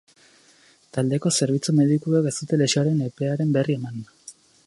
Taldeko zerbitzu medikuek ez dute lesioaren epearen berri eman.